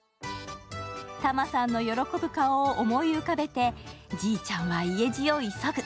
タマさんの喜ぶ顔を思い浮かべてじいちゃんは家路を急ぐ。